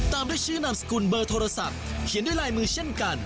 ตามด้วยชื่อนามสกุลเบอร์โทรศัพท์เขียนด้วยลายมือเช่นกัน